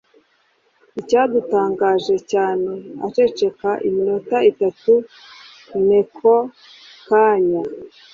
Icyadutangaje cyane aceceka iminota itatu NekoKanjya